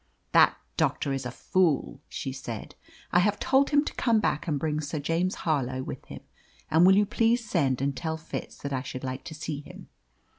"That doctor is a fool," she said. "I have told him to come back and bring Sir James Harlow with him. And will you please send and tell Fitz that I should like to see him?